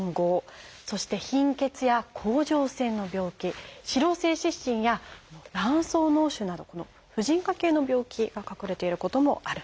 そして「貧血」や「甲状腺の病気」「脂漏性湿疹」や「卵巣のう腫」など婦人科系の病気が隠れていることもあるんです。